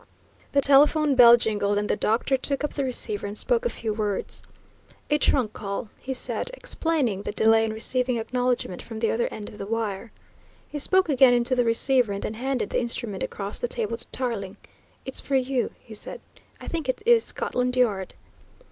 The telephone bell jingled, and the doctor took up the receiver and spoke a few words. "A trunk call," he said, explaining the delay in receiving acknowledgment from the other end of the wire. He spoke again into the receiver and then handed the instrument across the table to Tarling. "It's for you," he said. "I think it is Scotland Yard."